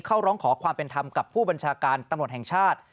ร้องขอความเป็นธรรมกับผู้บัญชาการตำรวจแห่งชาติ